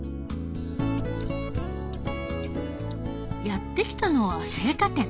やって来たのは青果店。